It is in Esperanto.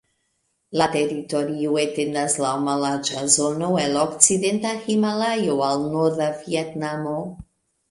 La teritorio etendas laŭ mallarĝa zono el okcidenta Himalajo al norda Vjetnamo.